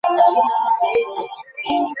তারপর তুই পিএইচডি করতে চেয়েছিলি।